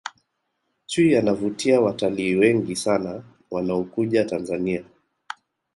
chui anavutia watalii wengi sana wanaokuja tanzania